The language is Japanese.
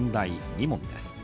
２問です。